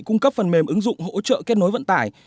cung cấp phần mềm ứng dụng hỗ trợ kết nối vận tải